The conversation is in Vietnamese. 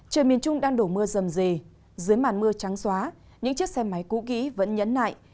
trời miền trung đang đổ mưa rầm rề dưới màn mưa trắng xóa những chiếc xe máy cũ kỹ vẫn nhẫn nại